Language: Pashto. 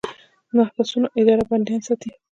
د محبسونو اداره بندیان ساتي